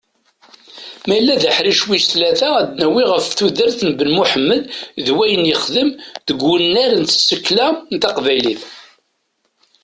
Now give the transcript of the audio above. Ma yella deg uḥric wis tlata, ad d-nawwi ɣef tudert n Ben Muḥemmed d wayen yexdem deg wunar n tsekla taqbaylit.